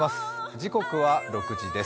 時刻は６時です。